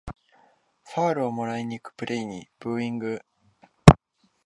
ファールをもらいにいくプレイにブーイング